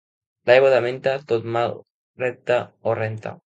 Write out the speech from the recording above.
L'aigua de menta tot mal repta o renta.